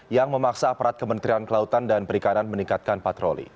yang memaksa aparat kementerian kelautan dan perikanan meningkatkan patroli